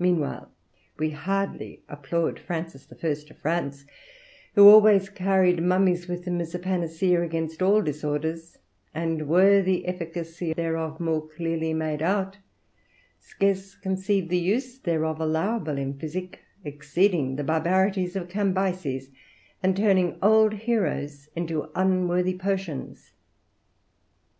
Meanwhile, we hardly applaud Francis the First of France, who always carried mummies with him as a panacea against all disorders; and were the efficacy thereof more clearly made out, scarce conceive the use thereof allowable in physic, exceeding the barbarities of Cambyses, and turning old heroes unto unworthy potions.